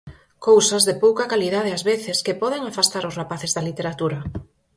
Cousas de pouca calidade ás veces, que poden afastar os rapaces da literatura.